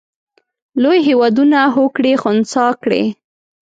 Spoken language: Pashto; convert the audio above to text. لوی هېوادونه هوکړې خنثی کړي.